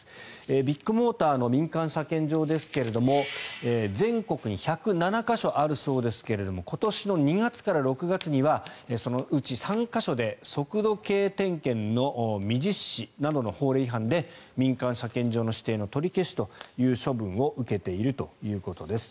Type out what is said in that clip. ビッグモーターの民間車検場ですが全国に１０７か所あるそうですけれども今年２月から６月にはそのうち３か所で速度計点検の未実施などの法令違反で民間車検場の指定の取り消しという処分を受けているということです。